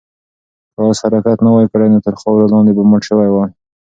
که آس حرکت نه وای کړی، نو تر خاورو لاندې به مړ شوی وای.